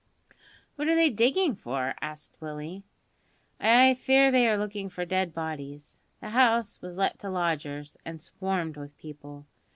"What are they diggin' for?" asked Willie. "I fear they are looking for dead bodies. The house was let out to lodgers, and swarmed with people.